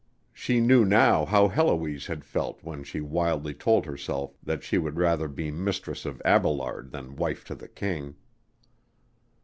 She knew now how Heloise had felt when she wildly told herself that she would rather be mistress of Abelarde than wife to the King.